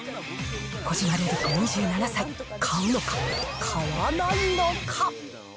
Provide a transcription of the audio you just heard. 小島瑠璃子２７歳、買うのか、買わないのか。